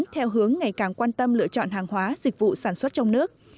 theo hướng ngày càng quan tâm lựa chọn hàng hóa dịch vụ sản xuất trong nước